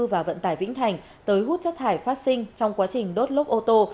và vận tải vĩnh thành tới hút chất thải phát sinh trong quá trình đốt lốp ô tô